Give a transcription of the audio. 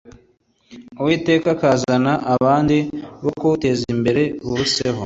Uwiteka akazana abandi, bo kuwuteza imbere biruseho